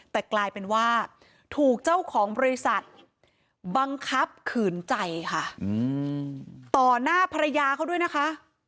แต่กลายเป็นว่าถูกเจ้าของบริษัทบังคับขืนใจค่ะต่อหน้าภรรยาเขาด้วยนะคะ